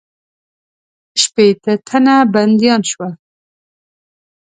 شپېته تنه بندیان شول.